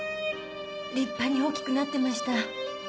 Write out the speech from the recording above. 立派に大きくなってました。